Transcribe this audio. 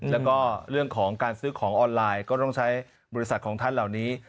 แล้วก็เรื่องของการซื้อของออนไลน์ก็ต้องใช้บริษัทของท่านเหล่านี้